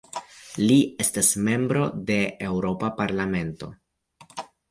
Li estas membro de Eŭropa parlamento.